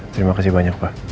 terima kasih banyak pak